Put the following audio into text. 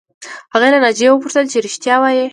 هغې له ناجیې وپوښتل چې رښتیا وایې